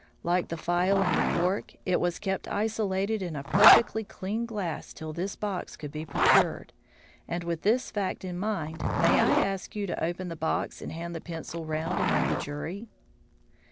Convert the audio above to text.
Like the phial and the cork, it was kept isolated in a perfectly clean glass till this box could be procured, and, with this fact in mind, may I ask you to open the box and hand the pencil round among the jury?"